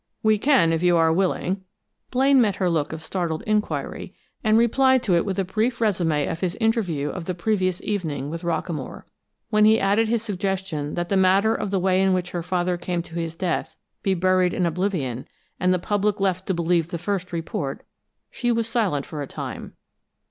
"We can, if you are willing." Blaine met her look of startled inquiry, and replied to it with a brief résumé of his interview of the previous evening with Rockamore. When he added his suggestion that the matter of the way in which her father came to his death be buried in oblivion, and the public left to believe the first report, she was silent for a time.